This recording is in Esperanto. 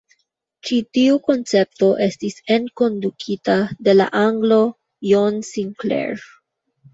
Ĉi tiu koncepto estis enkondukita de la anglo John Sinclair.